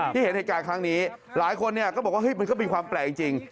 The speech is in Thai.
เห็นเหตุการณ์ครั้งนี้หลายคนก็บอกว่ามันก็มีความแปลกจริง